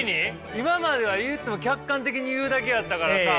今までは言うても客観的に言うだけやったからさ。